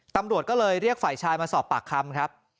ตำรวจก็เลยเรียกฝ่ายชายมาสอบปากคำครับ